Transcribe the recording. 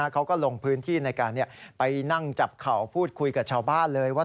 เขาก็ลงพื้นที่ในการไปนั่งจับเข่าพูดคุยกับชาวบ้านเลยว่า